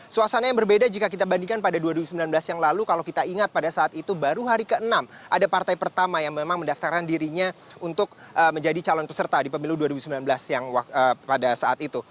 suasana yang berbeda jika kita bandingkan pada dua ribu sembilan belas yang lalu kalau kita ingat pada saat itu baru hari ke enam ada partai pertama yang memang mendaftarkan dirinya untuk menjadi calon peserta di pemilu dua ribu sembilan belas yang pada saat itu